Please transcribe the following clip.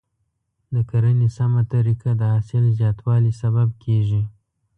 د کرنې سمه طریقه د حاصل زیاتوالي سبب کیږي.